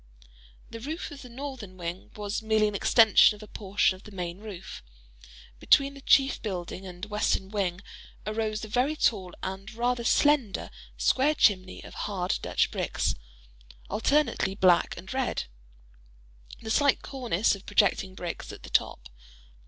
The roof of the northern wing was merely an extension of a portion of the main roof. Between the chief building and western wing arose a very tall and rather slender square chimney of hard Dutch bricks, alternately black and red:—a slight cornice of projecting bricks at the top.